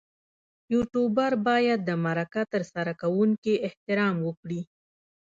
یوټوبر باید د مرکه ترسره کوونکي احترام وکړي.